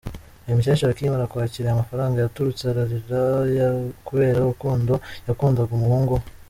Uyu mukecuru akimara kwakira aya mafaranga yaturitse ararira kubera urukundo yakundaga umuhungu we.